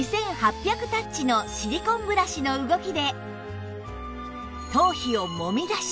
タッチのシリコンブラシの動きで